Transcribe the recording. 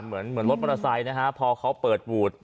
เหมือนรถมรสัยนะครับพอเค้าเปิดวูด